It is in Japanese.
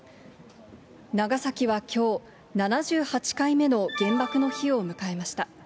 長崎はきょう、７８回目の原爆の日を迎えました。